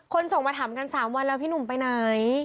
ส่งมาถามกัน๓วันแล้วพี่หนุ่มไปไหน